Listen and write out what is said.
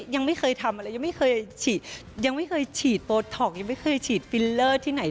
ยังไม่เคยทำอะไรยังไม่เคยฉีดยังไม่เคยฉีดโบท็อกยังไม่เคยฉีดฟิลเลอร์ที่ไหน